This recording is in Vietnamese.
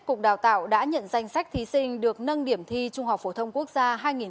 cục đào tạo đã nhận danh sách thí sinh được nâng điểm thi trung học phổ thông quốc gia hai nghìn một mươi chín